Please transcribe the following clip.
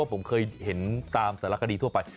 ผมเคยเห็นตามสารคดีทั่วไป